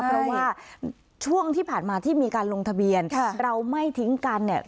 เพราะว่าช่วงที่ผ่านมาที่มีการลงทะเบียนเราไม่ทิ้งกันเนี่ย